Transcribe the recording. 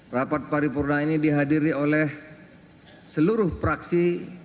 rapat paripurna ini dihadiri oleh seluruh praksi